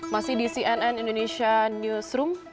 masih di cnn indonesia newsroom